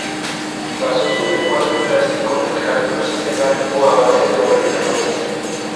Basó su lenguaje plástico en el cálculo sistemático a base de ordenadores.